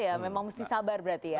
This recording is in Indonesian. ya memang mesti sabar berarti ya